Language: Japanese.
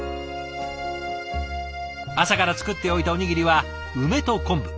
朝から作っておいたおにぎりは梅と昆布。